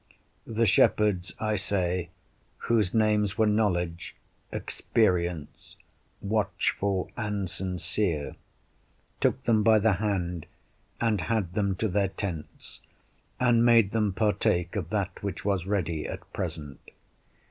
The shepherds, I say, whose names were Knowledge, Experience, Watchful, and Sincere, took them by the hand, and had them to their tents, and made them partake of that which was ready at present.